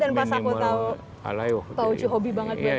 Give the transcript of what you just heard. dan pas aku tahu pak ucu hobi banget baca